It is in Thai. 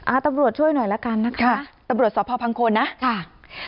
อ่าตำรวจช่วยหน่อยละกันนะคะค่ะตำรวจศพพังคลนะค่ะ